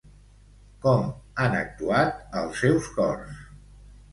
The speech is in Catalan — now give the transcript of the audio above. Com han actuat els seus cors?